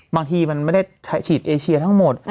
บางทีมันไม่ได้ฉีดเอเชียทั้งหมด